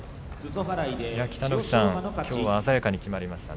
北の富士さん、きょうは鮮やかにきまりましたね。